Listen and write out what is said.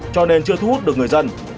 cho nên chưa thu hút được người dân